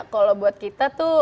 kalau buat kita tuh